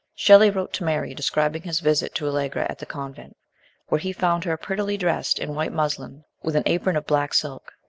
Shelley wrote to Mary describing his visit to Allegra at the convent, where he found her prettily dressed in white muslin with an apron of black silk.